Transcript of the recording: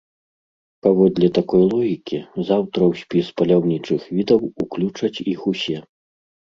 Паводле такой логікі, заўтра ў спіс паляўнічых відаў уключаць іх усе.